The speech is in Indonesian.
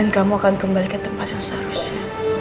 kamu akan kembali ke tempat yang seharusnya